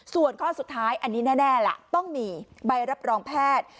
ส่วนข้อสุดท้ายอันนี้แน่ล่ะต้องมีใบรับรองแพทย์